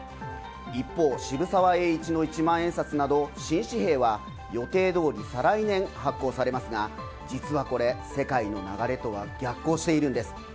一方、渋沢栄一の一万円札など新紙幣は予定どおり再来年発行されますが実はこれ、世界の流れとは逆行しているんです。